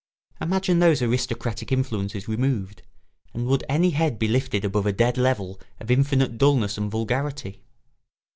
Imagine those aristocratic influences removed, and would any head be lifted above a dead level of infinite dulness and vulgarity?